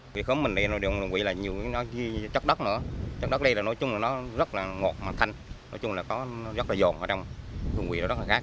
cây khóm mình này nó đường nguội là nhiều chất đất nữa chất đất đây là nói chung là nó rất là ngọt mà thanh nói chung là nó rất là giòn ở trong nguội nó rất là gác